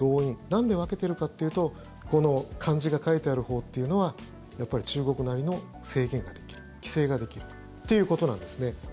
なんで分けてるかっていうと漢字が書いてあるほうっていうのはやっぱり中国なりの制限ができる規制ができるっていうことなんですね。